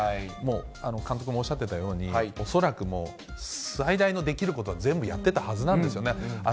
もう監督もおっしゃってたように、恐らくもう最大のできることは全部やってたはずなんですよね。